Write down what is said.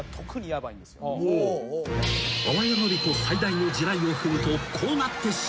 ［淡谷のり子最大の地雷を踏むとこうなってしまう］